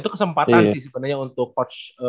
itu kesempatan sih sebenarnya untuk coach